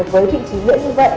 với vị trí lưỡi như vậy